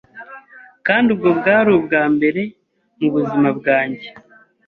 kandi ubwo bwari ubwa mbere mu buzima bwanjye.